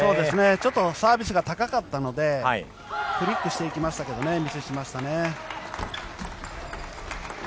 ちょっとサービスが高かったのでフリックしていきましたけどミスしましたね。